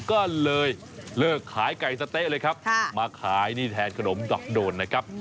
ก็เลยเลิกขายไก่สะเต๊ะเลยครับมาขายนี่แทนขนมดอกโดนนะครับ